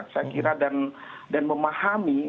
saya kira dan memahami